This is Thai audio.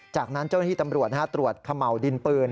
จากนั้นเจ้าหน้าที่ตำรวจตรวจเขม่าวดินปืน